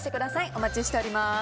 お待ちしております。